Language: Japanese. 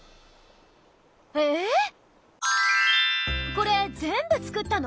これ全部作ったの？